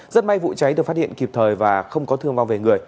rất may vụ cháy được phát hiện kịp thời và không có thương vong về người